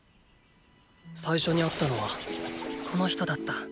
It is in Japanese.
最初に会ったのはこの人だった。